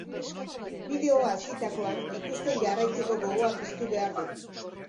Bideoa hasitakoan, ikusten jarraitzeko gogoa piztu behar du.